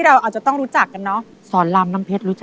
เล่นตัวเองก็แล้ว